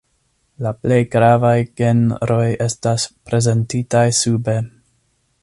La plej gravaj genroj estas prezentitaj sube.